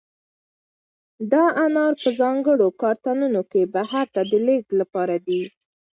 دا انار په ځانګړو کارتنونو کې بهر ته د لېږد لپاره دي.